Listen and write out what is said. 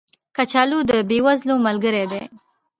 کچالو د بې وزلو ملګری دی